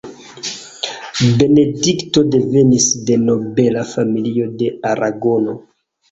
Benedikto devenis de nobela familio de Aragono.